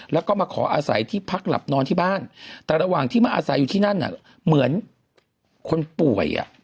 แล้วก็มาขออาศัยที่พักหลับนอนที่บ้านแต่ระหว่างที่มาอาศัยอยู่ที่นั่นเหมือนคนป่วย